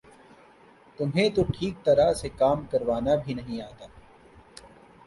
تمہیں تو ٹھیک طرح سے کام کروانا بھی نہیں آتا